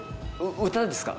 う歌ですか？